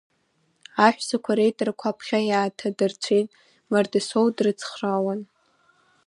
Аҳәсақәа реидарақәа аԥхьа иааҭадырцәит, Мардасоу дрыцхраауан.